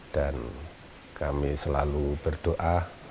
dan kami selalu berterima kasih atas penontonan